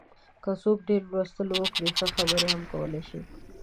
که څوک ډېر لوستل وکړي، ښه خبرې هم کولای شي.